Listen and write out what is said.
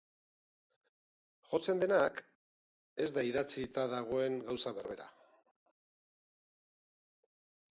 Jotzen denak, ez da idatzita dagoen gauza berbera.